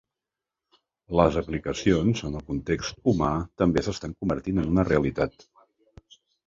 Les aplicacions en el context humà també s’estan convertint en una realitat.